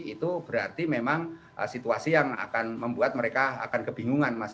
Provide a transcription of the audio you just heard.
itu berarti memang situasi yang akan membuat mereka akan kebingungan mas